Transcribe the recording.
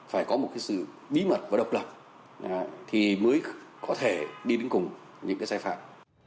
phải có một sự bí mật và độc lập thì mới có thể đi đến cùng những sai phạm